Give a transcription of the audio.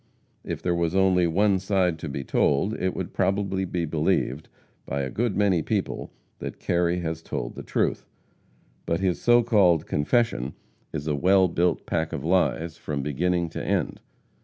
If there was only one side to be told, it would probably be believed by a good many people that Kerry has told the truth. But his so called confession is a well built pack of lies from beginning to end.